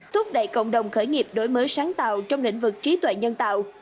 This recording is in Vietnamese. thúc đẩy cộng đồng khởi nghiệp đổi mới sáng tạo trong lĩnh vực trí tuệ nhân tạo